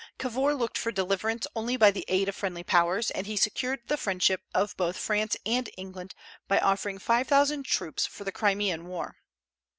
Cavour looked for deliverance only by the aid of friendly Powers, and he secured the friendship of both France and England by offering five thousand troops for the Crimean war.